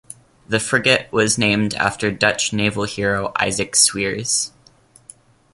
The frigate was named after Dutch naval hero Isaac Sweers.